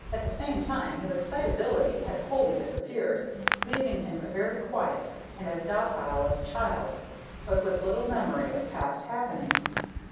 At the same time his excitability had wholly disappeared, leaving him very quiet and as docile as a child, but with little memory of past happenings.